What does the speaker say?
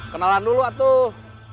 kenalan dulu atuh